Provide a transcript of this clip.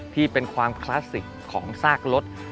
ที่เป็นความคลาสสิกของซากรถ